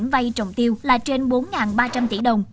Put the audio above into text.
vay trồng tiêu là trên bốn ba trăm linh tỷ đồng